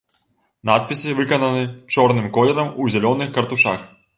Надпісы выкананы чорным колерам у зялёных картушах.